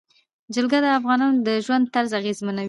جلګه د افغانانو د ژوند طرز اغېزمنوي.